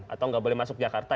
atau nggak boleh masuk jakarta